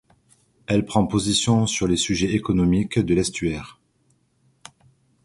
Elle prend position sur les sujets économiques de l’Estuaire.